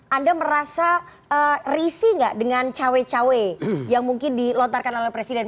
anda merasa risih nggak dengan cawe cawe yang mungkin dilontarkan oleh presiden